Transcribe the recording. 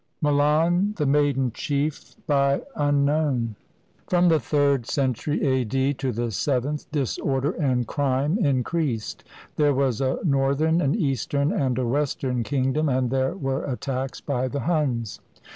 MULAN, THE MAIDEN CHIEF [From the third century a.d. to the seventh, disorder and crime increased. There was a northern, an eastern, and a western kingdom, and there were attacks by the Huns.